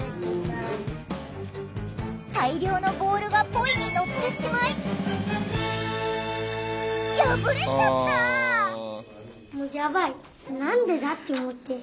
大量のボールがポイに乗ってしまい破れちゃった！